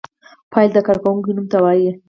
فاعل د کار کوونکی نوم ته وايي.